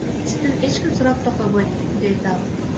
Сенден эч ким сурап да койбойт, — дейт ал.